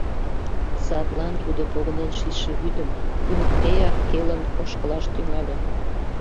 Садлан тудо погынен шичше вӱдым ӧрдеак келын ошкылаш тӱҥале.